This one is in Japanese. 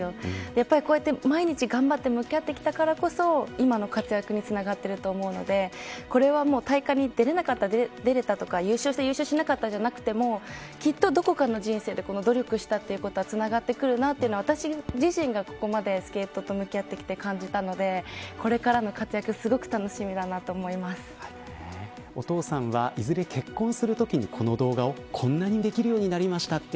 やっぱりこうやって、毎日頑張って向き合ってきたからこそ今の活躍につながってると思うのでこれは大会に出れなかった出れた優勝した優勝しなかったじゃなくてもきっとどこかの人生でこの努力したことはつながってくるなと私自身がここまでスケートと向き合ってきて、感じたのでこれから活躍お父さんはいずれ結婚するときにこの動画を、こんなにできるようになりましたと